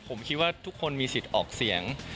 ผมคิดว่าทุกคนมีสิทธิ์ออกเสียง